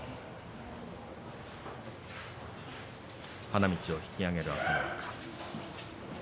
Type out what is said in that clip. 花道を引き揚げる朝乃若。